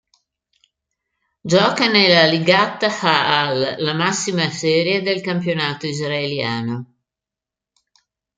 Gioca nella Ligat ha'Al, la massima serie del campionato israeliano.